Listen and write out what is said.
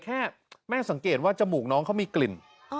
แม่สังเกตว่าจมูกน้องเขามีกลิ่น